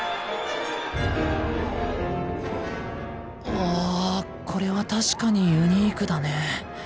わぁこれは確かにユニークだね。